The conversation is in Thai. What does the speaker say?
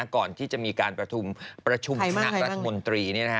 ก่อนที่จะมีการประชุมคณะรัฐมนตรี